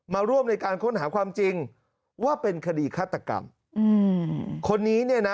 มาร่วมในการค้นหาความจริงว่าเป็นคดีฆาตกรรมอืมคนนี้เนี่ยนะ